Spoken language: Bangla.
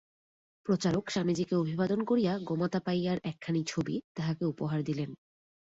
প্রচারক স্বামীজীকে অভিবাদন করিয়া গোমাতাপাইয়ার একখানি ছবি তাঁহাকে উপহার দিলেন।